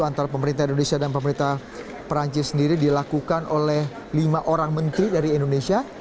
antara pemerintah indonesia dan pemerintah perancis sendiri dilakukan oleh lima orang menteri dari indonesia